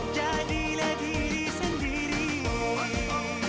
jadi diriku sendiri